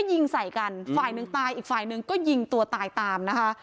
ยิงใส่กันฝ่ายหนึ่งตายอีกฝ่ายหนึ่งก็ยิงตัวตายตามนะคะ